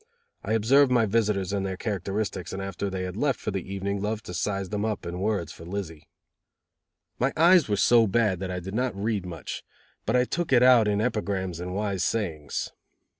I observed my visitors and their characteristics and after they had left for the evening loved to size them up in words for Lizzie. My eyes were so bad that I did not read much, but I took it out in epigrams and wise sayings.